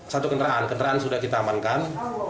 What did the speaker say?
satu kenderaan kenderaan sudah kita amankan